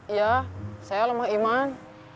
iya saya lemah iman